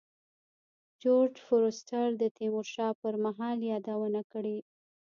جورج فورستر د تیمور شاه پر مهال یادونه کړې.